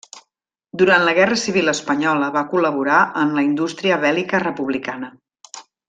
Durant la guerra civil espanyola va col·laborar en la indústria bèl·lica republicana.